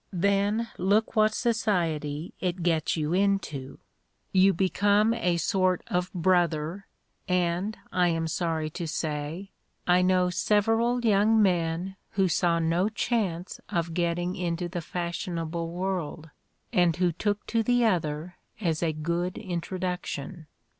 Then look what society it gets you into you become a sort of brother; and, I am sorry to say, I know several young men who saw no chance of getting into the fashionable world, and who took to the other as a good introduction.